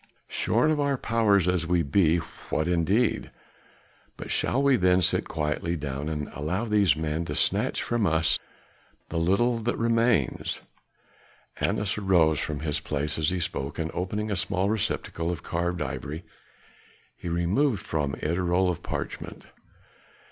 "Shorn of our powers as we be, what indeed? But shall we then sit quietly down and allow these men to snatch from us the little that remains?" Annas arose from his place as he spoke and opening a small receptacle of carved ivory, removed from it a roll of parchment.